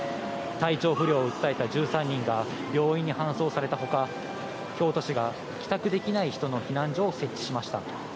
体調不良を訴えた１３人が病院に搬送されたほか、京都市が、帰宅できない人の避難所を設置しました。